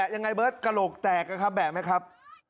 ยังไงเบิร์ตกระโหลกแตกนะครับแบะไหมครับ